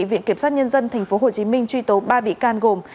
viện kiểm sát nhân dân tp hcm truy tố ba bị can gồm